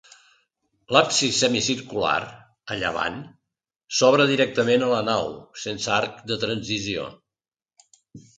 L'absis semicircular, a llevant, s'obre directament a la nau, sense arc de transició.